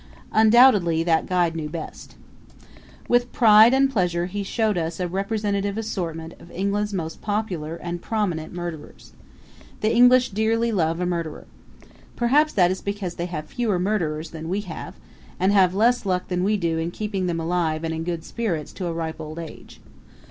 Undoubtedly that guide knew best. With pride and pleasure he showed us a representative assortment of England's most popular and prominent murderers. The English dearly love a murderer. Perhaps that is because they have fewer murderers than we have, and have less luck than we do in keeping them alive and in good spirits to a ripe old age.